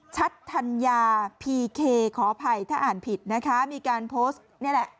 ชัดธัญญาพีเคขออภัยถ้าอ่านผิดนะคะมีการโพสต์นี่แหละ